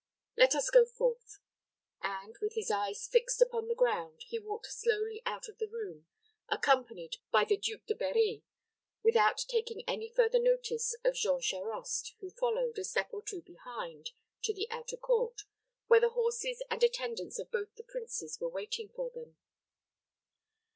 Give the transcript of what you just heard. Let us go forth;" and, with his eyes fixed upon the ground, he walked slowly out of the room, accompanied by the Duke de Berri, without taking any further notice of Jean Charost, who followed, a step or two behind, to the outer court, where the horses and attendants of both the princes were waiting for them.